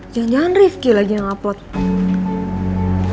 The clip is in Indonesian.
jangan jangan rifqi lagi yang ngeupload